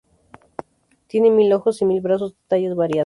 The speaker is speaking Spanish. Tiene mil ojos y mil brazos de tallas variadas.